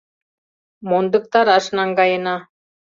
Мондыктараш наҥгаена.